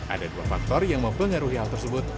ada dua faktor yang mempengaruhi hal tersebut